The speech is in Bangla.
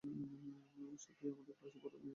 স্বাতী, আমাদের ক্লাসের পড়ুয়া মেয়ে আমাদের প্রতিনিধি।